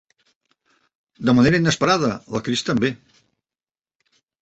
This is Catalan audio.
De manera inesperada, la Chris també.